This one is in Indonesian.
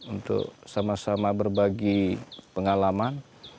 untuk sama sama berbagi pengalaman